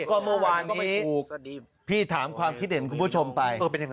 ก็เมื่อวานนี้พี่ถามความคิดเห็นคุณผู้ชมไปยังไง